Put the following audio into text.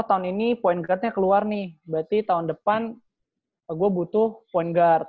tahun ini point guardnya keluar nih berarti tahun depan gue butuh point guard